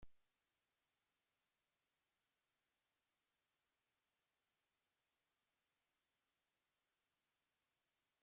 Maura le presentó al rey la dimisión, esperando que el monarca la rechazara.